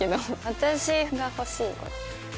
私が欲しいこれ。